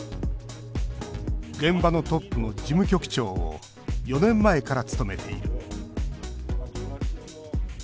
現場のトップの事務局長を４年前から務めている。